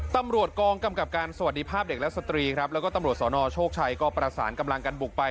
ตำรวจกองกำกับการสวัสดีภาพเด็กและสตรีครับแล้วก็ตำรวจสนโชคชัยก็ประสานกำลังกันบุกไป